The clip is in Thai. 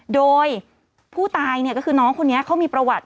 โดยผู้ตายก็คือน้องคนนี้เขามีประวัติ